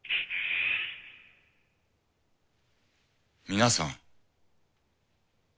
皆さん。